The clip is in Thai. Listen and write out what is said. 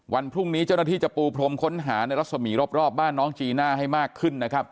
วันพรุ่งนี้เจ้าหน้าที่จะปูพรมค้นหาในรัศมีรอบบ้านน้องจีน่าให้มากขึ้นนะครับ